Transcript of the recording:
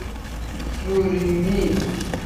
سوریمی